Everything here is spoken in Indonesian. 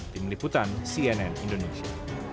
tim liputan cnn indonesia